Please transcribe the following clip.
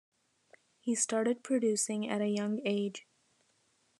He started producing at a young age.